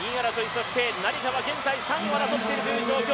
そして成田は現在３位を争っている状況。